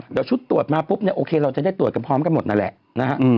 เดี๋ยวชุดตรวจมาปุ๊บเนี่ยโอเคเราจะได้ตรวจกันพร้อมกันหมดนั่นแหละนะฮะ